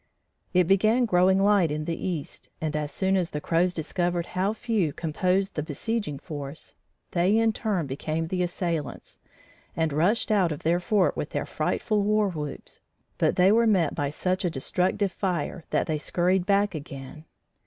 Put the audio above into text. It began growing light in the east, and, as soon as the Crows discovered how few composed the besieging force, they in turn became the assailants, and rushed out of their fort with their frightful war whoops, but they were met by such a destructive fire that they scurried back again.